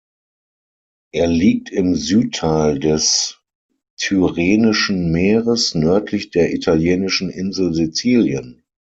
Er liegt im Südteil des Tyrrhenischen Meeres nördlich der italienischen Insel Sizilien.